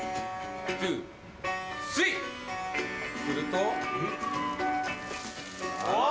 すると。わ。